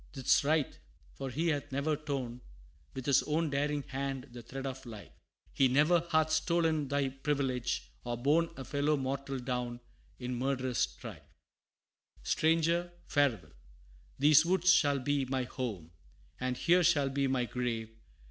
'tis right for he hath never torn, With his own daring hand the thread of life He ne'er hath stolen thy privilege, or borne A fellow mortal down in murderous strife! XVIII. "Stranger, farewell! these woods shall be my home, And here shall be my grave!